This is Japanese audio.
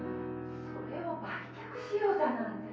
それを売却しようだなんて。